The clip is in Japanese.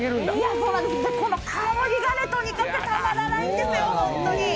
この香りがとにかくたまらないんですよ、ホントに。